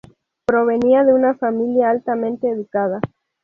Provenía de una familia altamente educada.